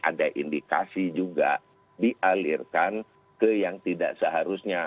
ada indikasi juga dialirkan ke yang tidak seharusnya